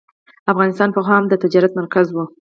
افغانستان پخوا هم د تجارت مرکز و.